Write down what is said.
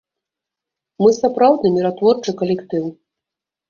Мы сапраўдны міратворчы калектыў.